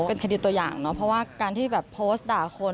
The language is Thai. เป็นคดีตัวอย่างเนอะเพราะว่าการที่แบบโพสต์ด่าคน